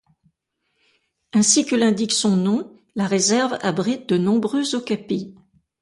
Ainsi que l'indique son nom, la réserve abrite de nombreux okapis.